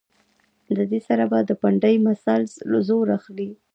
د دې سره به د پنډۍ مسلز زور اخلي